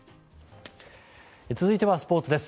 続いてはスポーツです。